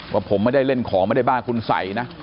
ว่าผมไม่ได้เล่นของไม่ได้บ้าคุณใส่นะ